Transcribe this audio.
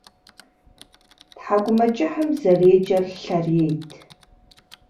ТхьэкӀумэкӀыхым зэреджэр Лъэрейт